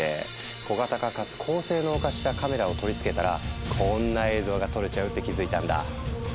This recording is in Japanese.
小型化かつ高性能化したカメラを取り付けたらこんな映像が撮れちゃうって気付いたんだ。